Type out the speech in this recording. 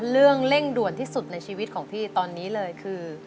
เรื่องเร่งด่วนที่สุดในชีวิตของพี่ตอนนี้เลยคือ